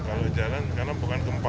kalau jalan karena bukan gempa